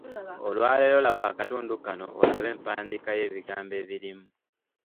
Olwaleero laba akatundu kano olabe empandiika y’ebigambo ebirimu.